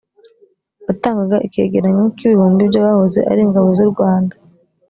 watangaga ikigereranyo k ibihumbi by abahoze ari ingabo z urwanda